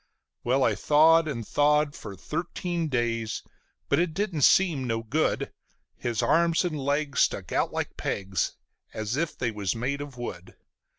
Well, I thawed and thawed for thirteen days, but it didn't seem no good; His arms and legs stuck out like pegs, as if they was made of wood.